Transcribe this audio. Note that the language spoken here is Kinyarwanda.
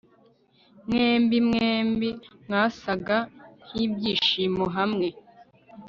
Mwembi mwembi mwasaga nkibyishimo hamwe